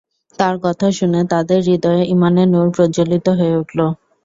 তাঁর কথা শুনে তাঁদের হৃদয়ে ঈমানের নূর প্রজ্জ্বলিত হয়ে উঠল।